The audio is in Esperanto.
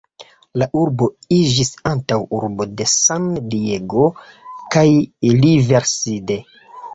La urbo iĝis antaŭurbo de San-Diego kaj Riverside.